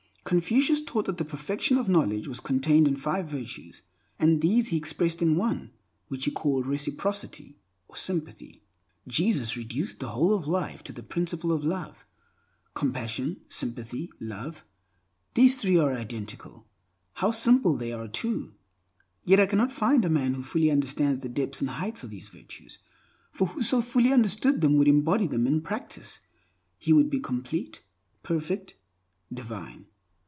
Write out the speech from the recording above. Confucius taught that the perfection of knowledge was contained in five virtues, and these he expressed in one which he called Reciprocity, or Sympathy. Jesus reduced the whole of life to the principle of Love. Compassion, Sympathy, Love, these three are identical. How simple they are, too! Yet I cannot find a man who fully understands the depths and heights of these virtues, for who so fully understood them would embody them in practice. He would be complete, perfect, divine.